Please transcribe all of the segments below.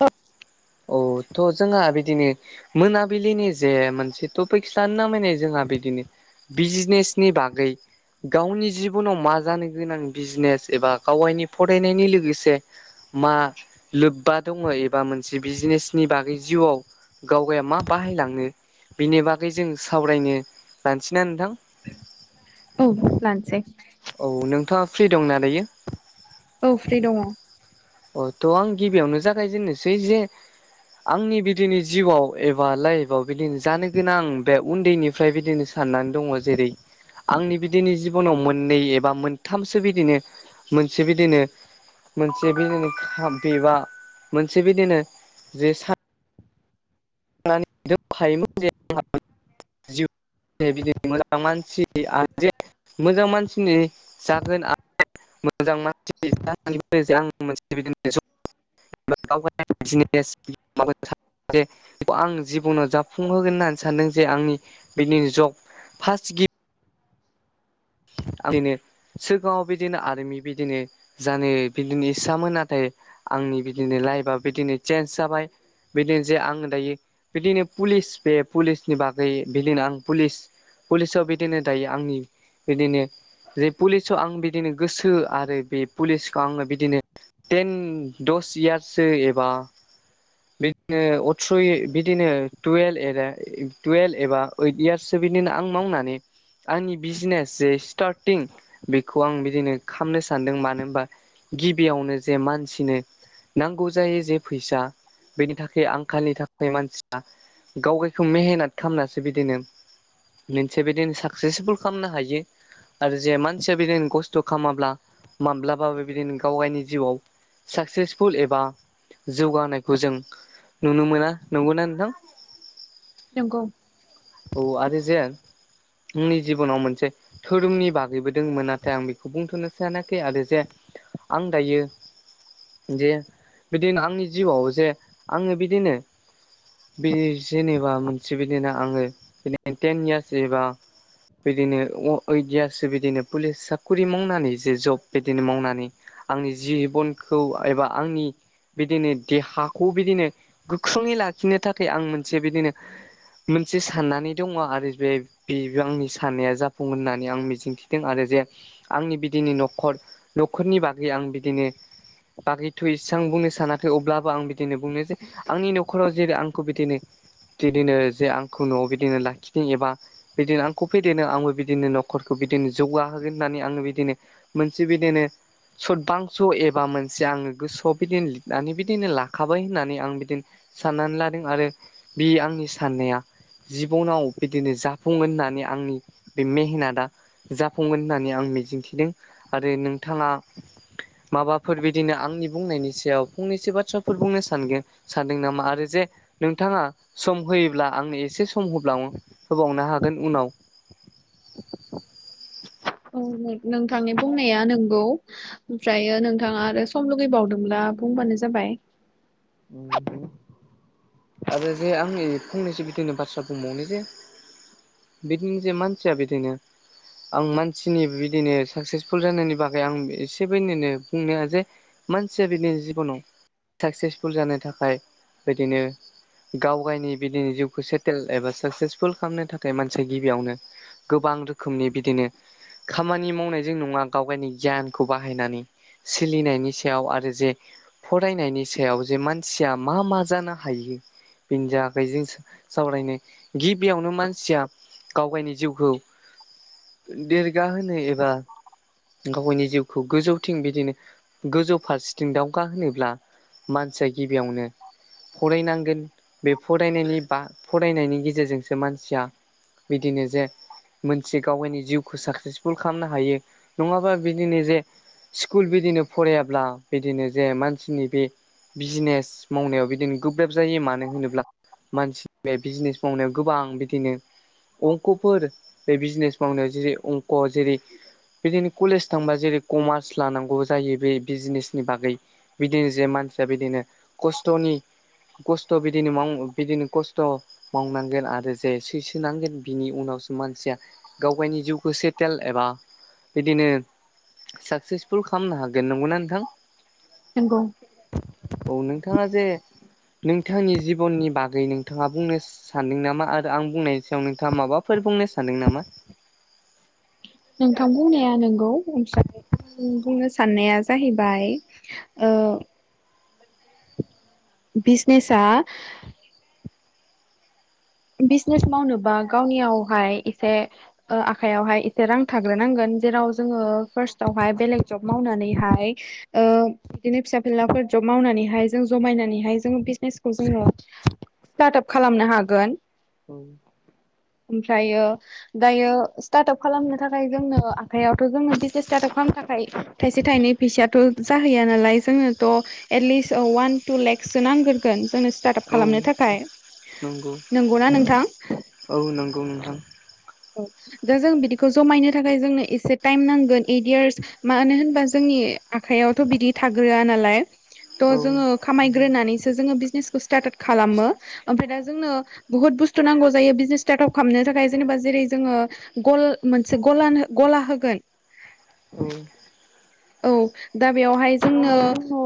औ। औ थ' जोंहा बिदिनो मोनाबिलिनि जे मोनसेथ फैखिसानो नामायनाय जोंहा बिदिनो बिजिनेसनि बागै गावनि जिबनाव मा जानो गोनां बिजिनेस एबा गावायनि फरायनायनि लोगोसे मा लोब्बा दङ एबा मोनसे बिजिनेसनि बागै जिउआव गावगाया मा बाहायलाङो बिनि बागै जों सावरायनो लानोसैना नोंथां। औ लानोसै। औ नोंथाङा फ्रि दं ना दायो। औ फ्रि दङ। अ थ' आं गिबियावनो जागायजेननोसै जे आंनि बिदिनो जिउआव एबा लाइफआव बिदिनो जानो गोनां बे उन्दैनिफ्राय बिदिनो स साननानै दङ जेरै आंनि बिदिनि जिब'नाव मोननै एबा मोनथामसो बिदिनो मोनसे बिदिनो [unintelligible] मोनसे बिदिनो जे [unintelligible] हायोमोन जे जिउ बिदि मोजां मानसि आरो जे मोजां मानसिनि जागोन आं मोजां मानसि जानानैबो आं मोनसे बिदिनो ज' गाव गावनि बिजिनेस [unintelligible] आं जिबनाव जाफुंहोगोन होननानै सानदों जे आंनि बिदिनो जब फार्स्ट गि बिदिनो सिगाङाव बिदिनो आर्मि बिदिनो जानो बिदिनो इस्सामोन नाथाय आंनि बिदिनो लाइफआ बिदिनो चेन्ज जाबाय बिदिनो जे आङो दायो बिदिनो पुलिस बे पुलिसनि बागै बिदिनो आं पुलिस पुलिसआव बिदिनो दायो आंनि बिदिनो जे पुलिसाव आं बिदिनो गोसो आरो बे पुलिसखौ आङो बिदिनो टेन दस इयार्ससो एबा बिदिनो अथ्रय बिदिनो टुवेल् [unintelligible] टुवेल एबा ओइद इयार्ससो बिदिनो आं मावनानै आंनि बिजनेस जे स्टार्टिं बेखौ आं बिदिनो खालामनो सानदों मानो होनबा गिबियावनो जे मानसिनो नांगौ जायो जे फैसा बेनि थाखाय आंखालनि थाखाय मानसिया गाव गायखौ मेहनात खालामनासो बिदिनो मोनसे बिदिनो साक्सेसफुल खालामनो हायो आरो जे मानसिया बिदिनो खस्थ' खाब्ला माब्लाबाबो बिदिनो गाव गावनि जिउआव साक्सेसफुल एबा जौगानायखौ जों नुनो मोना नंगौना नोंथां। नोंगौ। औ आरो जेन आंनि जिबनाव मोनसे धोरोमनि बागैबो दंमोन नाथाय आं बेखौ बुंथ'नो सानाखै आरो जे आं दायो जे बिदिनो आंनि जिउआव जे आङो बिदिनो बे जेनेबा मोनसे बिदि ना आङो बि टेन इयार्स एबा बिदिनो अ ओइद इयारसो बिदिनो पुलिस साखरि मावनानै जे जब बिदिनो मावनानै आंनि जिबनखौ एबा आंनि बिदिनो देहाखौ बिदिनो गोख्रोङै लाखिनो थाखाय आं मोनसे बिदिनो मोनसे साननानै दङ आरो बे बेबो आंनि साननाया जाफुंगोन होननानै आं मिजिंथिदों आरो जे आंनि बिदिनो न'खर न'खरनि बागै आं बिदिनो बाखैथ' इसेबां बुंनो सानाखै अब्लाबो आं बिदिनो बुंनो जे आंनि न'खराव जे आंखौ बिदिनो बिदिनो जे आंखौ न'आव बिदिनो लाखिदों एबा बिदिनो आंखौ फेदेरनो आंबो बिदिनो न'खरखौ बिदिनो जौगाहोगोन होननानै आङो बिदिनो मोनसे बिदिनो सुदबांस' एबा मोनसे आङो गोसोआव बिदिनो लिरनानै बिदिनो लाखाबाय होननानै आं बिदिनो साननानै लादों आरो बे आंनि साननाया जिबनाव बिदिनो जाफुंगोन होननानै आंनि बे मेहनाता जाफुंगोन होननानै आं मिजिंथिदों आरो नोंथाङा माबाफोर बिदिनो आंनि बुंनायनि सायाव फंनैसो बाथ्राफोर बुंनो सानगोन सानदों नामा आरो जे नोंथाङा सम होयोब्ला आंनो ए एसे सम होब्ला होबावनो हागोन उनाव औ नोंथांनि बुंनाया नंगौ ओमफ्रायो नोंथाङा आरो सम लुगैबावदोंब्ला बुंबानो जाबाय उ आरो जे आंनि फंनैसो बिदिनो बाथ्रा बुंबावनो जे बिदिनो जे मानसिया बिदिनो आं मानसिनि बिदिनो साक्सेसफुल जानायनि बागै आं एसे बनो बुंनो जे मानसिया बिदिनो जिबनाव साक्सेसफुल जानो थाखाय बिदिनो गाव गायनि बिदिनो जिउखौ सेटेल एबा साक्सेसफुल खालामनो थाखाय मानसिया गिबियावनो गोबां रोखोमनि बिदिनो खामानि मावनायजों नङा गाव गावनि गियानखौ बाहायनानै सोलिनायनि सायाव आरो जे फरायनायनि सायाव जे मानसिया मा मा जानो हायो बेनि आगैजों सावरायनो गिबियावनो मानसिया गाव गावनि जिउखौ देरगाहोनो एबा गाव गायनि जिउखौ गोजौथिं बिदिनो गोजौ फारसेथिं दावगा होनोब्ला मानसिया गिबियावनो फरायनांगोन बे फरायनायनि बा फरायनायनि गेजेरजोंसो मानसिया बिदिनो जे मोनसे गाव गायनि जिउखौ साक्सेसफुल खालामनो हायो नङाबा बिदिनो जे स्कुल बिदिनो फरायाब्ला बिदिनो जे मानसिनि बे बिजिनेस मावनायाव बिदिनो गोब्राब जायो मानो होनोब्ला मानसिनि बे बिजनेस मावनायाव गोबां बिदिनो अंख'फोर बिजनेस मावनायाव जेरै अंक'आव जेरै बिदिनो कलेज थांबा जेरै कमार्स लानांगौ जायो बे बिजनेसनि बागै बिदिनो जे मानसिया बिदिनो खस्थ'नि खस्थ' बिदिनो मावो बिदिनो खस्थ' मावनांगोन आरो जे सैसोनांगोन बिनि उनावसो मानसिया गाव गावनि जिउखौ सेटेल एबा बिदिनो साक्सेसफुल खालामनो हागोन नंगौना नोंथां नोंगौ औ नोंथाङा जे नोंथांनि जिबननि बागै नोंथाङा बुंनो सानदों नामा आरो आं बुंनायनि सायाव नोंथाङा माबाफोर बुंनो सानदों नामा नोंथां बुंनाया नंगौ ओमफ्राय आ बुंनो साननाया जाहैबाय आ बिजनेसा बिजनेस मावनोबा गावनियावहाय एसे आखायावहाय एसे रां थाग्रोनांगोन जेराव जोङो फार्स्टावहाय बेलेग जब मावनानैहाय बिदिनो फिसा फिलाफोर जब मावनानैहाय जों जमायनानैहाय जों बिजनेसखौ जोङो [inaudible] स्टार्ट आप खालामनो हागोन [inaudible] ओमफ्रायो दायो स्टार्टआप खालामनो थाखाय जोंनो आखाइयावथ' जोंनो बिजनेस स्टार्टआप खालामनो थाखाय थाइसे थाइनै फैसायथ' जाहैया नालाय जोंनोथ' एटलिस्ट अवान टु लेक्ससो नांग्रगोन जोंनो स्टार्ट आप औ खालामनो थाखाय नंगौ नंगौना नोंथां औ नंगौ नोंथां औ दा जों बिदिखौ जमायनो थाखाय जोंनो एसे टाइम नांगोन ओइट इयार्स मानो होनबा जोंनि आखायावथ' बिदि थाग्रोआ नालाय थ' औ जोङो खामायग्रोनानैसो जोङो बिजनेसखौ स्टार्ट खालामो ओमफ्राय दा जोंनो बुहुत बुस्थु नांगौ जायो बिजनेस स्टार्ट आप खालामनो थाखाय जेनेबा जेरै जोङो गल मोनसे गलानो गला होगोन औ औ दा बेवहाय जोंनो नंगौ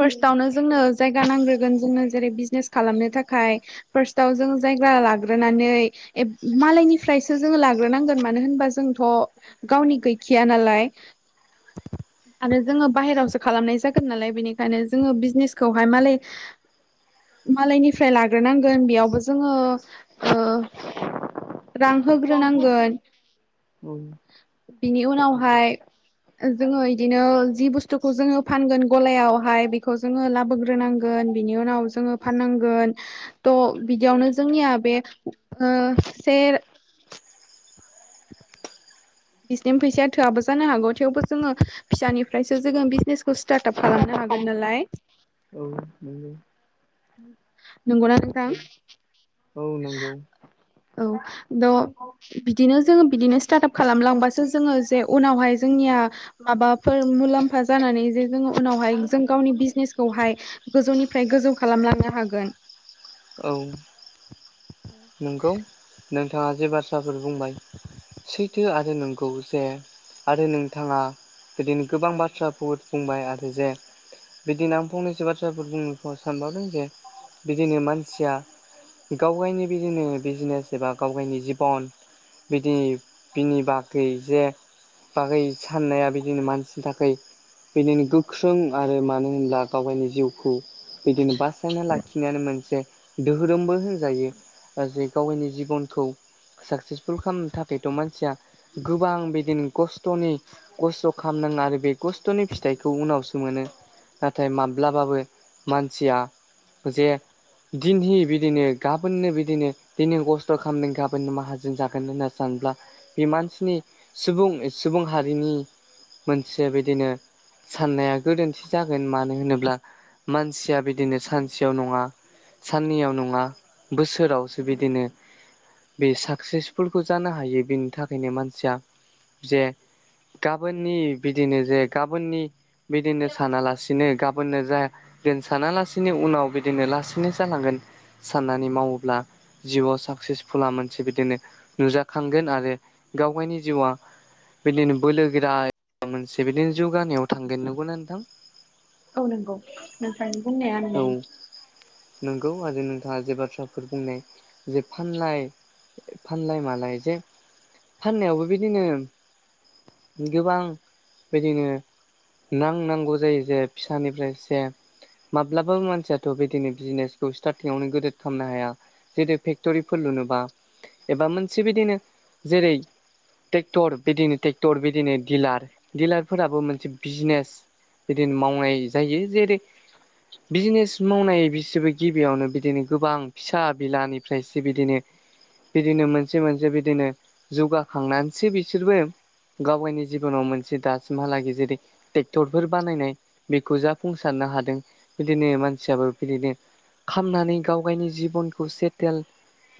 फार्स्टावनो जोंनो जायगा नांग्रोगोन जोंनो जेरै बिजनेस खालामनो थाखाय फार्स्टआव जों जायगा लाग्रोनानै ए मालायनिफ्रायसो जोङो लाग्रोनांगोन मानो होनबा जोंथ' गावनि गैखाया नालाय [inaudible] आरो जोङो बाहेरायावसो खालामनाय जागोन नालाय बेनिखायनो जोङो बिजनेसखौहाय मालाय मालायनिफ्राय लाग्रोनांगोन बेयावबो जोङो औ रांहोग्रोनांगोन नंगौ [inaudible] [inaudible] बिनि उनावहाय जोङो बिदिनो जि बुस्थुखौ जोङो फानगोन गलायावहाय बेखौ जोङो लाबोग्रोनांगोन बिनि उनाव जोङो फाननांगोन थ' बिदियावनो जोंनिया बे स बिसिनि फैसाया थोआबो जानो हागौ थेवबो जोङो फिसानिफ्रायसो जोङो बिजनेसखौ स्टार्टआप खालामनो हागोन नालाय [inaudible] नोंगौ दा औ नंगौ औ द बिदिनो जोङो बिदिनो स्टार्टआप खालामलांबासो जोङो जे उनावहाय जोंनिया माबाफोर मुलाम्फा जानानै जे जोङो उनावहाय जों गावनि बिजनेसखौहाय गोजौनिफ्राय गोजौ खालामलांनो हागोन औ नंगौ नोंथाङा जे बाथ्राफोर बुंबाय सैथो आरो नंगौ जे आरो नोंथाङा बिदिनो गोबां बाथ्रा बुंबाय आरो जे बिदिनो आं फंनैसो बाथ्राफोर बुंनोखौ सानबावदों जे बिदिनो मानसिया गाव गावनि बिदिनो बिजनेस एबा गाव गावनि जिबन बिदि बिनि बागै जे बागै साननाया बिदिनो मानसिनि थाखाय बेदिनो गोख्रों आरो मानो होनब्ला गाव गावनि जिउखौ बिदिनो बासायना लाखिनायानो मोनसे दोहोरोमबो होनजायो जे गावनि जिबनखौ साक्सेसफुल खालामनो थाखायथ' मानसिया गोबां बिदिनो खस्थ'नि खस्थ' खालामामनो आरो बे गस्थ'नि फिथाइखौ उनावसो मोनो नाथाय माब्लाबाबो मानसिया जे दिनह बिदिनो गाबोननो बिदि दिनै दिनै खस्थ' खालामनायनि गाबोन माहाजोन जागोन होनना सानब्ला बे मानसिनि सुबुं सुबुं हारिनि मोनसे बिदिनो साननाया गोरोन्थि जागोन मानो होनोब्ला मानसिया बिदिनो सानसेयाव नङा साननैयाव नङा बोसोरावसो बिदिनो बे साक्सेसफुलखौ जानो हायो बेनि थाखायनो मानसिया जे गाबोननि बिदिनो जे गाबोननि बिदिनो सानालासिनो गा बोननो जाया दोन सानालासिनो उनाव बिदिनो लासैनो जालांगोन साननानै मावो ब्ला जिउआव साक्सेसफुला मोनसे बिदिनो नुजाखांगोन आरो गाव गावनि जिउआ बिदिनो बोलोगोरा मोनसे बिदिनो जौगानायाव थांगोन नंगौना नोंथां औ नंगौ नोंफ्राय बुंनाया औ नोंगौ नंगौ आरो नोंथाङा जे बाथ्राफोर बुंनाय जे फानलाय फानलाय मालाय जे फाननायावबो बिदिनो गोबां बिदिनो नां-नांगौ जायो जे फिसानिफ्राय एसे माब्लाबाो मानसियाथ' बिदिनो बिजनेसखौ स्टार्टिंआवनो गोदद खालामनो हाया जेरै फेक्टरिफोर लुनोबा एबा मोनसे बिदिनो जेरै ट्रेक्टर बिदिनो ट्रेक्टर बिदिनो डिलार डिलारफोराबो मोनसे बिजनेस बिदिनो मावनाय जायो जेरै बिजनेस मावनाय बिसोरबो गिबियावनो बिदिनो गोबां फिसा बिलानिफ्रायसो बिदिनो बिदिनो मोनसे मोनसे बिदिनो जौगाखांनानैसो बिसोरबो गावावनि जिबनाव मोनसे दासिमहालागै जेरै ट्रेक्टरफोर बानायनाय बेखौ जाफुंसारनो हादों बिदिनो मानसियाबो बिदिनो खामनानै गाव गावनि जिबनखौ सेथेल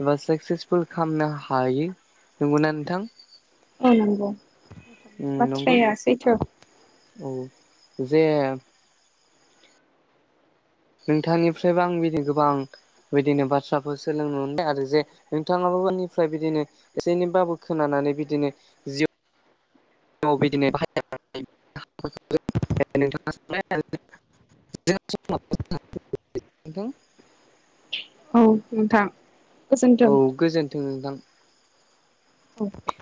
एबा साकसेसफुल खालामनो हायै नंगौना नोंथां नंगौ नंगौ बाथ्राया सैथ' औ जे नोंथांनिफ्रायबो आं बिदिनो गोबां बिदिनो बाथ्राफोर सोलोंनो मोनबाय आरो जे नोंथाङाबनिफ्राय बिदिनो एसे एनैबाबो खोनानानै बिदिनो जिउ [unintelligible] नोंथाङा [unintelligible] नोंथां औ नोंथां औ गोजोनथों गोजोन्थों नोंथां। औ